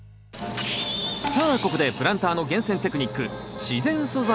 さあここでプランターの厳選テクニック